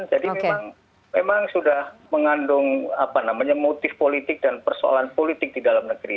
jadi memang sudah mengandung motif politik dan persoalan politik di dalam negeri